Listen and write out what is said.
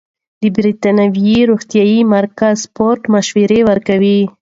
د بریتانیا روغتیايي مرکز سپورت مشوره ورکوي.